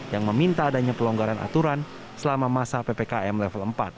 yang meminta adanya pelonggaran aturan selama masa ppkm level empat